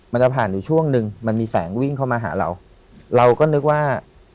มันจะผ่านอยู่ช่วงนึงมันมีแสงวิ่งเข้ามาหาเราเราก็นึกว่า